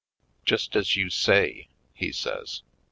"Just as you say," he says.